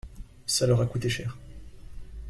Ça leur a coûté cher.